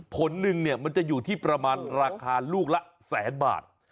ผลหนึ่งมันจะอยู่ที่ประมาณราคาลูกละ๑๐๐๐๐๐บาท